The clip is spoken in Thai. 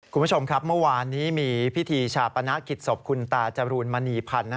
คุณผู้ชมครับเมื่อวานนี้มีพิธีชาปนกิจศพคุณตาจรูนมณีพันธ์